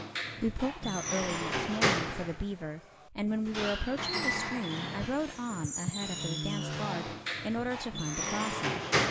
We pulled out early next morning for the Beaver, and when we were approaching the stream I rode on ahead of the advance guard in order to find the crossing.